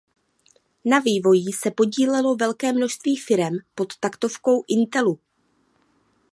Na vývoji se podílelo velké množství firem pod taktovkou Intelu.